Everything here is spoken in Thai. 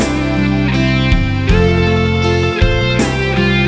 และที่สุด